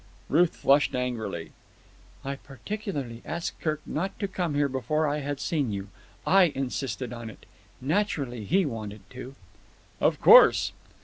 Ruth flushed angrily. "I particularly asked Kirk not to come here before I had seen you. I insisted on it. Naturally, he wanted to." "Of course!"